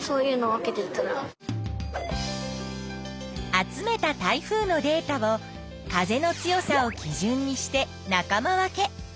集めた台風のデータを風の強さをきじゅんにして仲間分け。